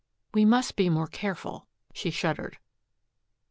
"We must be more careful," she shuddered.